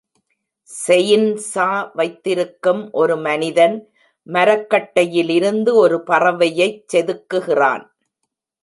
chainsaw வைத்திருக்கும் ஒரு மனிதன் மரக்கட்டையிலிருந்து ஒரு பறவையைச் செதுக்குகிறான்